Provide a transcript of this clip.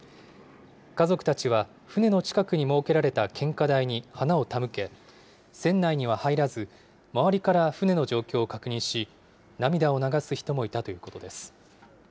家族たちは船の近くに設けられた献花台に花を手向け、船内には入らず、周りから船の状況を確認し、涙を流す人もいたということです。